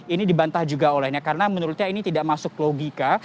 ini dibantah juga olehnya karena menurutnya ini tidak masuk logika